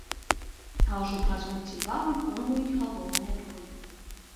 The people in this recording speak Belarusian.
А ужо праз год ці два выконваюць галоўныя ролі.